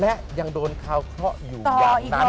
และยังโดนคาวเคราะห์อยู่อย่างนั้น